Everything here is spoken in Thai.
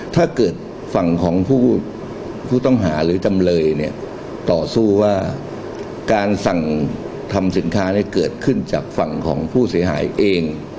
ถ้าเกิดฝั่งของผู้ต้องหาหรือจำเลยเนี่ยต่อสู้ว่าการสั่งทำสินค้าเนี่ยเกิดขึ้นจากฝั่งของผู้เสียหายเอง